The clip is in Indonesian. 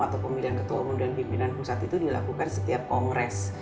atau pemilihan ketua umum dan pimpinan pusat itu dilakukan setiap kongres